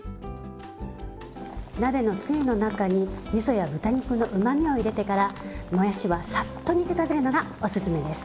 鍋のつゆの中にみそや豚肉のうまみを入れてからもやしはサッと煮て食べるのがおすすめです。